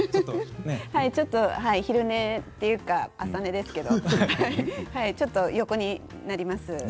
昼寝というか朝寝ですけれどちょっと横になります。